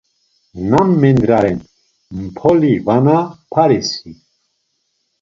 Nam mendra ren, Mp̌oli vana Parisi?